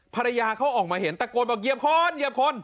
ภรรยาเขาออกมาเห็นตะโกนบอกเหยียบคนเหยียบคน